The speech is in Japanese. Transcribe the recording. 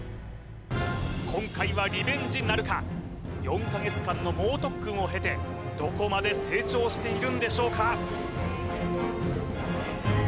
今回はリベンジなるか４か月間の猛特訓を経てどこまで成長しているんでしょうか？